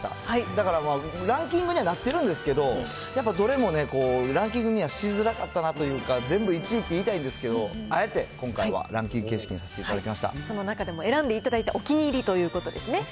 だから、ランキングにはなってるんですけど、やっぱ、どれもね、ランキングにはしづらかったなというか、全部１位って言いたいんですけど、あえて、今回はランキング形式その中でも、選んでいただいたお気に入りということですね。